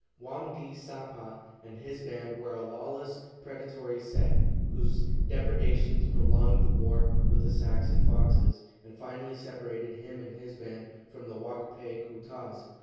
Wam di sapa and his band were a lawless, predatory set, whose depredations prolonged the war with the Sacs and Foxes, and finally separated him and his band from the Wak pe ku tas.